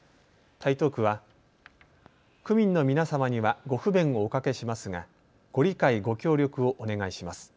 台東区は、区民の皆様にはご不便をおかけしますがご理解、ご協力をお願いします。